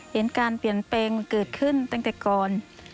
การเปลี่ยนแปลงเกิดขึ้นตั้งแต่ก่อน